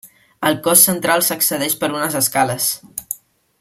Al cos central s'accedeix per unes escales.